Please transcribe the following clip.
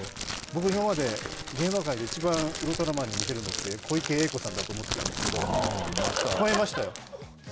僕、今まで芸能界に一番似てるのって、小池栄子さんだと思ってたんですけど、超えましたよ。